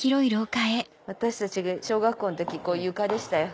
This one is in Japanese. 私たちが小学校の時床でしたよ。